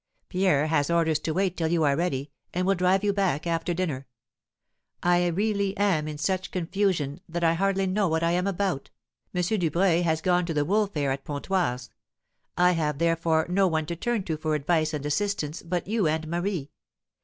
Pierre has orders to wait till you are ready, and will drive you back after dinner. I really am in such confusion that I hardly know what I am about. M. Dubreuil has gone to the wool fair at Pontoise; I have, therefore, no one to turn to for advice and assistance but you and Marie.